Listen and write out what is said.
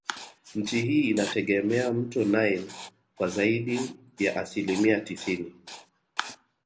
Nchi hii inautegemea mto nile kwa zaidi ya asilimia tisini